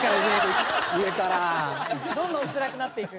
どんどんどんどんつらくなっていく。